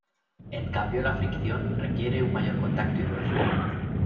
En cambio la fricción requiere un mayor contacto y velocidad.